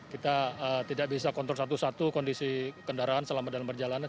kita tidak bisa kontrol satu satu kondisi kendaraan selama dalam perjalanan